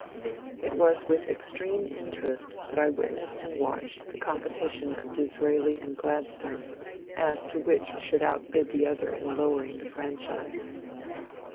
It was with extreme interest that I witnessed and watched the competition of Disraeli and Gladstone as to which should outbid the other in lowering the franchise.